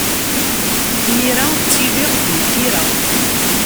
Imir-a, ttiliɣ deg Mkira.